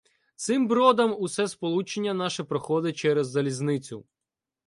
Цим бродом усе сполучення наше проходить через залізницю.